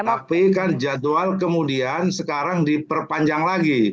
tapi kan jadwal kemudian sekarang diperpanjang lagi